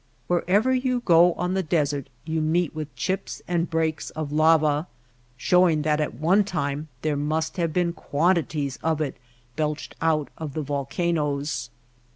Wherever you go on the desert you meet with THE MAKE OF THE DESERT 37 chips and breaks of lava, showing that at one time there must have been quantities of it belched out of the volcanoes.